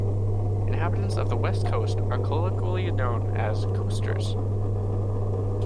Inhabitants of the West Coast are colloquially known as "Coasters".